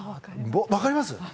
分かります？